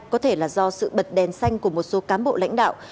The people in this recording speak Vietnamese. có thể là do sự bật đèn xanh của một số cán bộ lãnh đạo